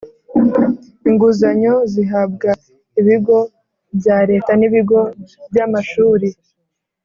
inguzanyo zihabwa ibigo bya leta n ibigo byamashuri